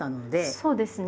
そうですね。